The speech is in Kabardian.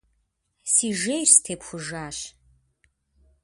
Си жейр степхужащ.